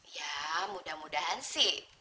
ya mudah mudahan sih